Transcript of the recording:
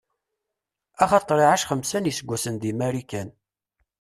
Axaṭer iɛac xemsa n iseggasen di Marikan.